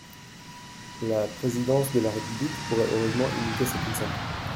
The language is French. La présidence de la République pourrait heureusement imiter cet exemple.